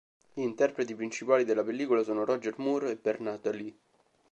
Gli interpreti principali della pellicola sono Roger Moore e Bernard Lee.